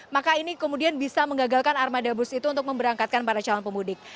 maka ini kemudian bisa menggagalkan armada bus itu untuk memberangkatkan para calon pemudik